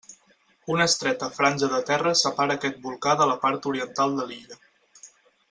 Una estreta franja de terra separa aquest volcà de la part oriental de l'illa.